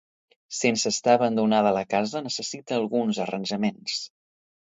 Sense estar abandonada la casa necessita alguns arranjaments.